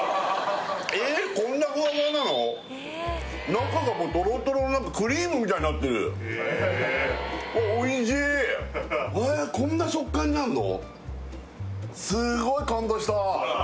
中がトロトロクリームみたいになってるおいしいえっこんな食感になるの？